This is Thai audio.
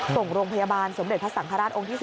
ส่งโรงพยาบาลสมเด็จพระสังฆราชองค์ที่๔